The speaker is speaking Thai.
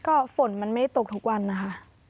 ก็ฝนมันไม่ได้ตกทุกวันนะคะ